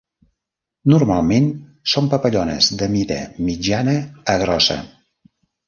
Normalment són papallones de mida mitjana a grossa.